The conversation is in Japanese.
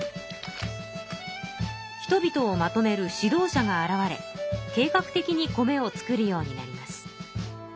人々をまとめる指導者が現れ計画的に米を作るようになります。